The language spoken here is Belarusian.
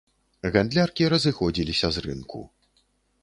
Гандляркі разыходзіліся з рынку.